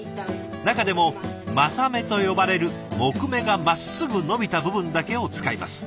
中でも柾目と呼ばれる木目がまっすぐ伸びた部分だけを使います。